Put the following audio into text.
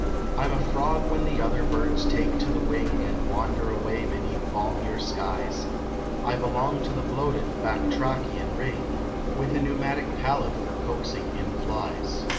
I m a frog when the other birds take to the wing And wander away beneath balmier skies, I belong to the bloated bachtracian ring With a pneumatic palate for coaxing in flies.